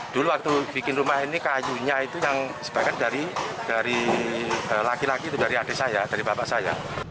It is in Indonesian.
dulu waktu bikin rumah ini kayunya itu yang sebagian dari laki laki itu dari adik saya dari bapak saya